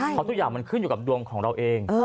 เพราะทุกอย่างมันขึ้นอยู่กับดวงของเราเอง